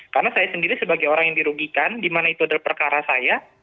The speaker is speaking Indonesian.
karena saya sendiri sebagai orang yang dirugikan di mana itu adalah perkara saya